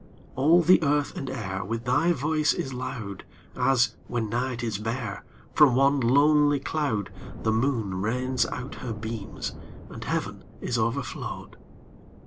All the earth and air With thy voice is loud, As, when night is bare, From one lonely cloud The moon rains out her beams, and heaven is overflow'd.